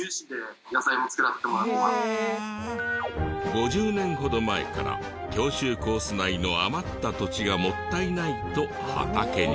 ５０年ほど前から教習コース内の余った土地がもったいないと畑に。